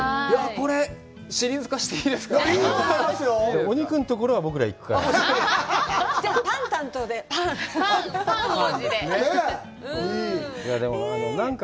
これ、シリーズ化していいですか？